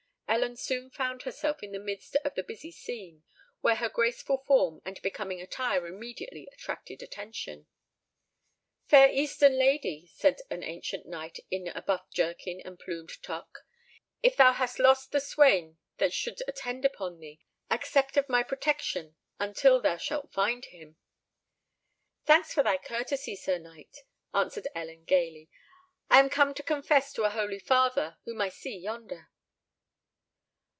Ellen soon found herself in the midst of the busy scene, where her graceful form and becoming attire immediately attracted attention. "Fair eastern lady," said an Ancient Knight in a buff jerkin and plumed tocque, "if thou hast lost the swain that should attend upon thee, accept of my protection until thou shalt find him." "Thanks for thy courtesy, Sir Knight," answered Ellen, gaily: "I am come to confess to a holy father whom I see yonder."